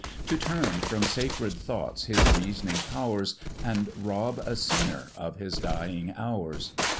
To turn from sacred thoughts his reasoning powers, And rob a sinner of his dying hours?